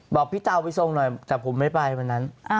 บอกพี่เตาไปทรงหน่อยแต่ผมไม่ไปวันนั้น